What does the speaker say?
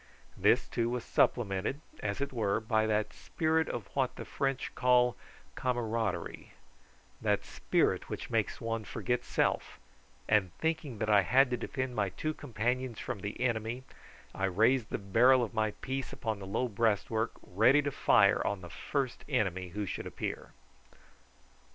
This, too, was supplemented, as it were, by that spirit of what the French call camaraderie, that spirit which makes one forget self; and thinking that I had to defend my two companions from the enemy I raised the barrel of my piece upon the low breastwork, ready to fire on the first enemy who should approach.